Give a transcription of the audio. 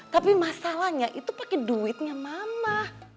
tapi masalahnya itu pakai duitnya mama